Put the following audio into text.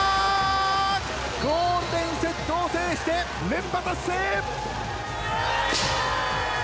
ゴールデンセットを制して連覇達成。